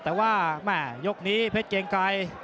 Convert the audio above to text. แต่ว่ายกนี้เพชรเกงไกล